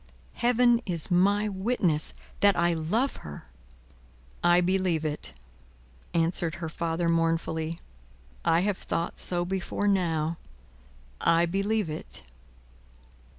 Heaven is my witness that I love her!" "I believe it," answered her father, mournfully. "I have thought so before now. I believe it."